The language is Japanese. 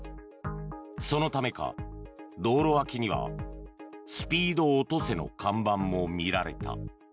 そのためか、道路脇にはスピード落とせの看板も見られた。